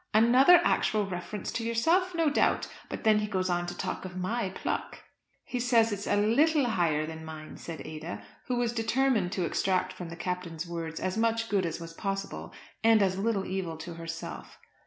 "Another actual reference to yourself, no doubt. But then he goes on to talk of my pluck." "He says it's a little higher than mine," said Ada, who was determined to extract from the Captain's words as much good as was possible, and as little evil to herself.